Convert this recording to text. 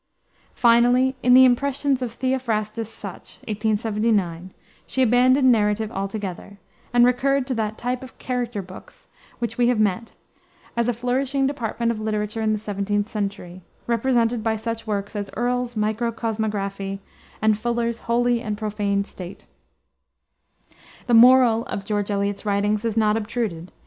Finally in the Impressions of Theophrastus Such, 1879, she abandoned narrative altogether, and recurred to that type of "character" books which we have met, as a flourishing department of literature in the 17th century, represented by such works as Earle's Microcosmographie and Fuller's Holy and Profane State. The moral of George Eliot's writings is not obtruded.